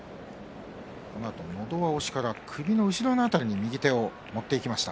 のど輪押しから首の後ろ辺りに右手を持っていきました。